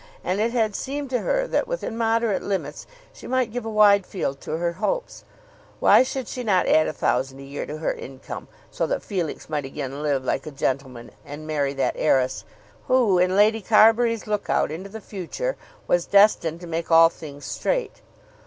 And it had seemed to her that, within moderate limits, she might give a wide field to her hopes. Why should she not add a thousand a year to her income, so that Felix might again live like a gentleman and marry that heiress who, in Lady Carbury's look out into the future, was destined to make all things straight!